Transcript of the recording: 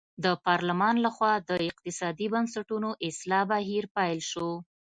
د پارلمان له خوا د اقتصادي بنسټونو اصلاح بهیر پیل شو.